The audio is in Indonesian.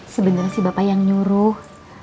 sebenernya si bapak yang nyuruh